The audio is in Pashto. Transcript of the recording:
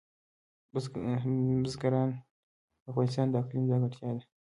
بزګان د افغانستان د اقلیم ځانګړتیا ده.